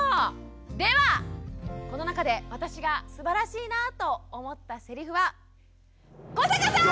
ではこの中で私がすばらしいなと思ったせりふは古坂さん！